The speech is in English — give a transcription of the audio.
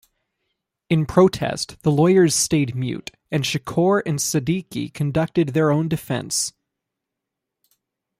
In protest, the lawyers stayed mute, and Shakur and Sadiki conducted their own defense.